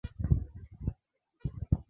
asante sana zuhra na